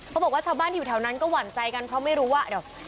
บอกว่าชาวบ้านที่อยู่แถวนั้นก็หวั่นใจกันเพราะไม่รู้ว่าเดี๋ยว